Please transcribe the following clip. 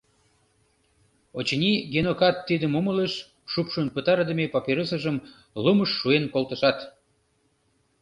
Очыни, Генокат тидым умылыш, шупшын пытарыдыме папиросыжым лумыш шуэн колтышат.